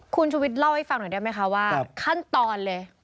คุณชุวิตเล่าให้ฟังหน่อยได้ไหมคะว่าขั้นตอนเลย